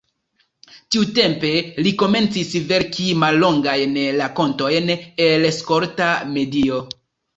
Tiutempe li komencis verki mallongajn rakontojn el skolta medio.